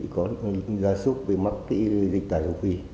có giá súc về mắc dịch tàn châu phi